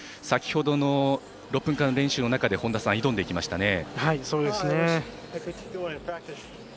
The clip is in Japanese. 先ほどの６分間練習の中で挑んでいきました。